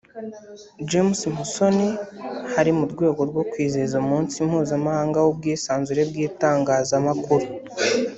James Musoni hari mu rwego rwo kwizihiza umunsi mpuzamahanga w’ubwisanzure bw’itangazamakuru